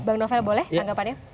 bang novel boleh tanggapannya